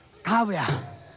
カーブや。